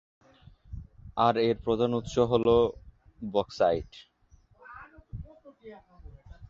আর এর প্রধান উৎস হল বক্সাইট।